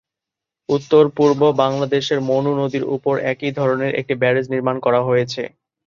উত্তর পূর্ব বাংলাদেশের মনু নদীর উপর একই ধরনের একটি ব্যারেজ নির্মাণ করা হয়েছে।